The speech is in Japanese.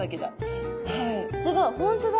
すごい本当だ。